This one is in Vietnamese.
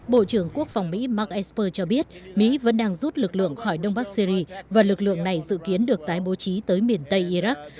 bộ trưởng quốc phòng mỹ mark esper cho biết mỹ vẫn đang rút lực lượng khỏi đông bắc syri và lực lượng này dự kiến được tái bố trí tới miền tây iraq